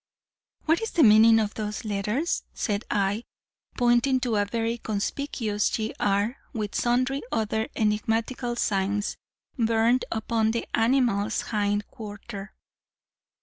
"'What is the meaning of those letters?' said I, pointing to a very conspicuous G. R., with sundry other enigmatical signs, burned upon the animal's hind quarter.